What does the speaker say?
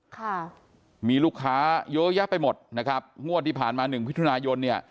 ค่ะมีลูกค้าเยอะแยะไปหมดนะครับงวดที่ผ่านมาหนึ่งมิถุนายนเนี่ย